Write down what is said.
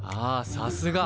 さすが。